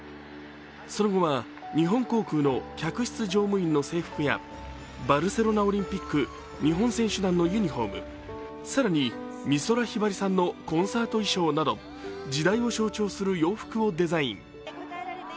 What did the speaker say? その後は日本航空の客室乗務員の制服やバルセロナオリンピック日本選手団のユニフォーム、更に美空ひばりさんのコンサート衣装など時代を象徴する洋服をデザイン。